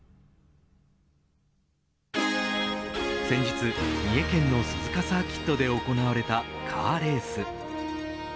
先日、三重県の鈴鹿サーキットで行われたカーレース。